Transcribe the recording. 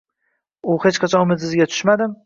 – Men hech qachon umidsizlikka tushmadim